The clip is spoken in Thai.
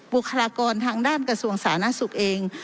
บุคลากรทางด้านกระทรวงสาธารณสุขเอง